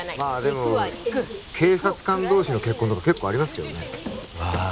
まあでも警察官同士の結婚とか結構ありますけどねわあ